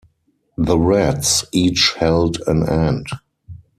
The rats each held an end.